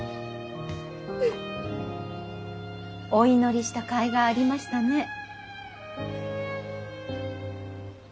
お祈りした甲斐がありましたね。